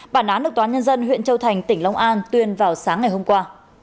bản án được toán nhân dân huyện châu thành tỉnh long an tuyên vào sáng ngày hôm qua